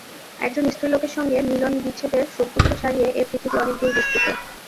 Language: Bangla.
একজন স্ত্রীলোকের সঙ্গে মিলন-বিচ্ছেদের সুখদুঃখ ছাড়িয়ে এ পৃথিবী অনেক দূর বিস্তৃত।